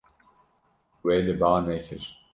We li ba nekir.